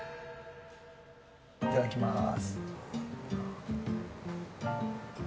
いただきます。